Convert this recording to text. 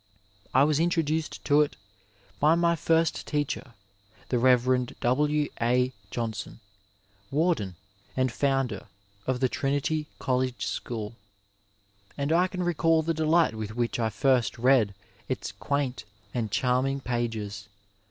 I was introduced to it by my first teacher, the Rev. W. A. Johnson, Warden and Founder of the Trinity College School, and I can recall the delight with which I first read its quaint and charming pages.